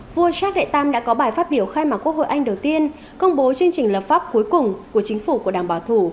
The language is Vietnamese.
vua sát đệ tam đã có bài phát biểu khai mạc quốc hội anh đầu tiên công bố chương trình lập pháp cuối cùng của chính phủ của đảng bảo thủ